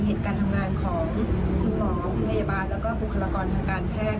เหตุการณ์ทำงานของคุณหมอพยาบาลแล้วก็บุคลากรทางการแพทย์